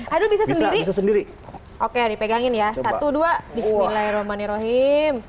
abdul bisa sendiri oke dipegangin ya satu dua bismillahirrahmanirrahim